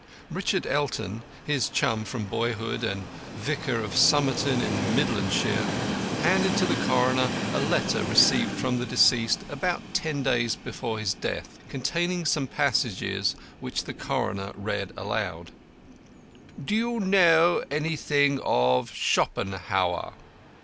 Richard Elton, his chum from boyhood, and vicar of Somerton, in Midlandshire, handed to the coroner a letter received from the deceased about ten days before his death, containing some passages which the coroner read aloud: "Do you know anything of Schopenhauer?